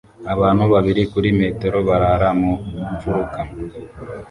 Abantu babiri kuri metero barara mu mfuruka